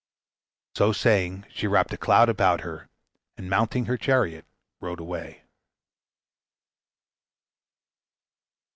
So saying, she wrapped a cloud about her, and mounting her chariot rode away.